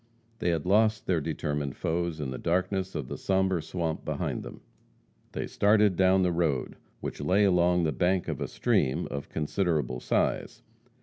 They had lost their determined foes in the darkness of the sombre swamp behind them. They started down the road, which lay along the bank of a stream of considerable size.